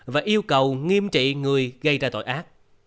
và yêu cầu nghiêm trị người gây ra tội ác